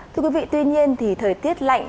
thưa quý vị tuy nhiên thì thời tiết lạnh